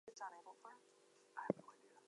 There were still occasional design glitches.